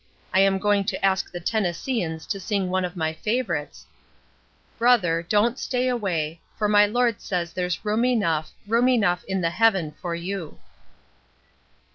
I am going to ask the Tennesseeans to sing one of my favorites: "'Brother, don't stay away; For my Lord says there's room enough, Room enough in the heaven for you.'"